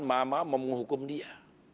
mama mau menghukum dia